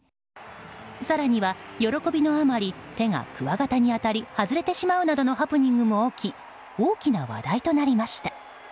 更には、喜びのあまり手がくわがたに当たり外れてしまうなどのハプニングも起き大きな話題となりました。